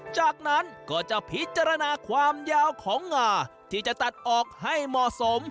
จากนั้นก็จะพิจารณาความยาวของงาที่จะตัดออกให้เหมาะสม